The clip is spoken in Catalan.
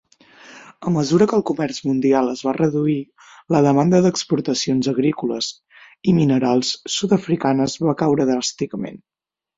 A mesura que el comerç mundial es va reduir, la demanda d'exportacions agrícoles i minerals sud-africanes va caure dràsticament.